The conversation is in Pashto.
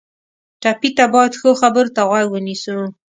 ټپي ته باید ښو خبرو ته غوږ ونیسو.